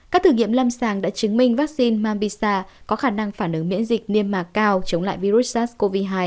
các thử nghiệm lâm sàng đã chứng minh vaccine mamisa có khả năng phản ứng miễn dịch niêm mạc cao chống lại virus sars cov hai